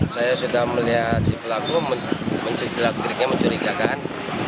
saya sudah melihat si pelaku mencurigakan